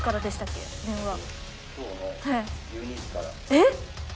えっ！？